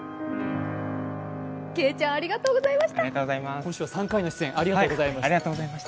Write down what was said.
今週３回の出演ありがとうございます。